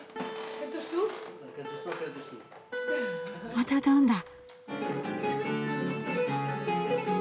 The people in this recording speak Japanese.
また歌うんだ。